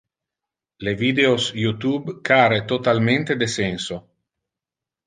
Le videos YouTube care totalmente de senso.